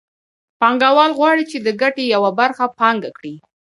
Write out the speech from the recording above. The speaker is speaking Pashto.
پانګوال غواړي چې د ګټې یوه برخه پانګه کړي